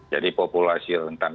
jadi populasi rentan